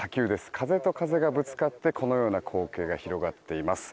風と風がぶつかってこのような光景が広がっています。